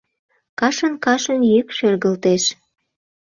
Кашын-кашын йӱк шергылтеш: